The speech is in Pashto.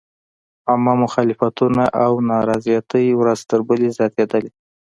عامه مخالفتونه او نارضایتۍ ورځ تر بلې زیاتېدلې.